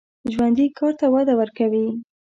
ژوندي کار ته وده ورکوي